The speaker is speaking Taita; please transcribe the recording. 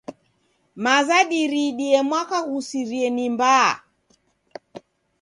Maza diriidie mwaka ghusirie ni mbaa.